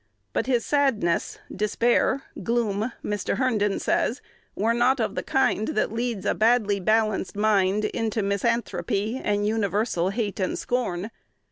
But his "sadness, despair, gloom," Mr. Herndon says, "were not of the kind that leads a badly balanced mind into misanthropy and universal hate and scorn.